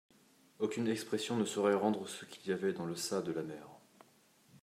Aucune expression ne saurait rendre ce qu'il y avait dans le ça de la mère.